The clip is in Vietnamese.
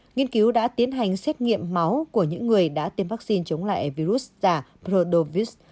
nghiên cứu đã tiến hành xét nghiệm máu của những người đã tiêm vaccine chống lại virus giả provis